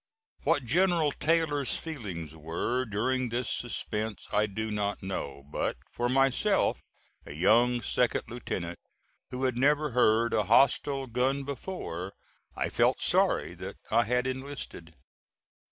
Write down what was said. What General Taylor's feelings were during this suspense I do not know; but for myself, a young second lieutenant who had never heard a hostile gun before, I felt sorry that I had enlisted.